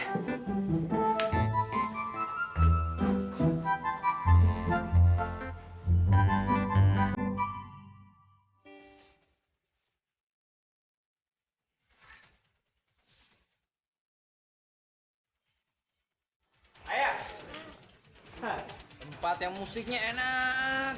ayah tempat yang musiknya enak